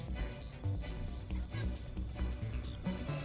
saya bergerak jalan jalan